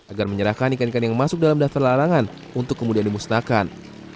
agar menyerahkan ikan ikan yang masuk dalam daftar larangan untuk kemudian dimusnahkan